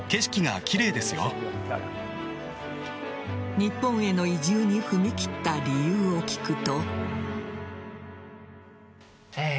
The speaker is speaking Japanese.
日本への移住に踏み切った理由を聞くと。